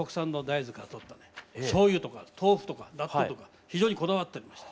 しょう油とか豆腐とか納豆とか非常にこだわってまして。